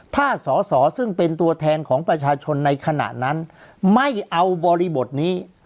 ถ้าสอสอซึ่งเป็นตัวแทนของประชาชนในขณะนั้นไม่เอาบริบทนี้